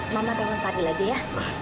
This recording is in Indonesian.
mama dengan fadil aja ya